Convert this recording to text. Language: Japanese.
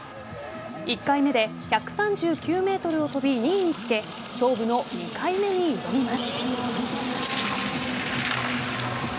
１回目で１３９ｍを飛び２位につけ勝負の２回目に挑みます。